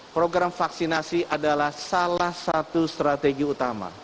program vaksinasi adalah salah satu strategi utama